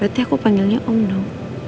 berarti aku panggilnya om dong